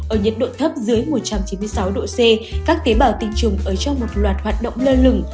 ở nhiệt độ thấp dưới một trăm chín mươi sáu độ c các tế bào tình trùng ở trong một loạt hoạt động lơ lửng